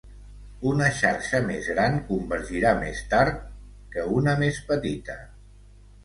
Una xarxa més gran convergirà més tard que una més petita.